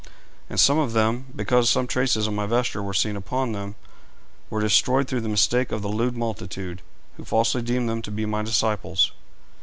And some of them, because some traces of my vesture were seen upon them, were destroyed through the mistake of the lewd multitude, who falsely deemed them to be my disciples.